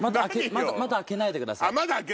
まだ開けないでください。